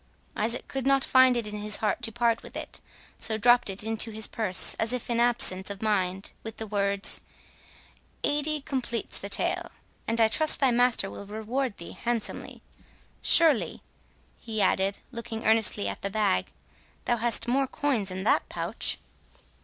Isaac could not find in his heart to part with it, so dropt it into his purse as if in absence of mind, with the words, "Eighty completes the tale, and I trust thy master will reward thee handsomely.—Surely," he added, looking earnestly at the bag, "thou hast more coins in that pouch?"